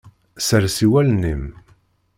Sers i wallen-im.